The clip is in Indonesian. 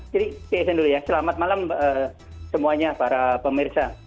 jadi bsn dulu ya selamat malam semuanya para pemirsa